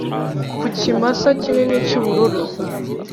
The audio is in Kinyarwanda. ku kimasa kinini cy'ubururu,